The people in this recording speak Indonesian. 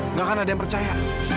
nggak akan ada yang percaya